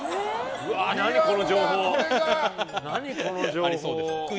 何、その情報。